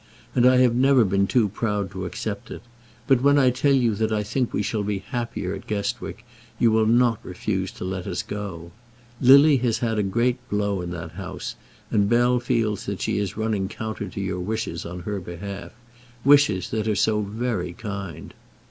"And I have never been too proud to accept it; but when I tell you that we think we shall be happier at Guestwick, you will not refuse to let us go. Lily has had a great blow in that house, and Bell feels that she is running counter to your wishes on her behalf, wishes that are so very kind!"